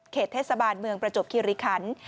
เทศบาลเมืองประจบคิริคัน